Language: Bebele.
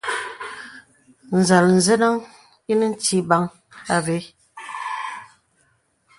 Nzāl zənəŋ ìnə tibaŋ àvé.